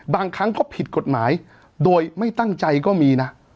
บางครั้งก็ผิดกฎหมายโดยไม่ตั้งใจก็มีนะ